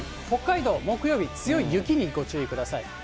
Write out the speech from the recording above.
北海道、木曜日、強い雪にご注意ください。